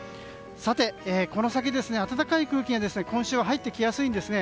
さて、この先暖かい空気が今週は入ってきやすいんですね。